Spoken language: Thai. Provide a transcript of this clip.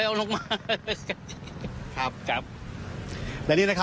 นี่แหละนี่แหละนี่แหละนี่แหละ